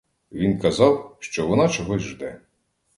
Він казав, що вона чогось жде.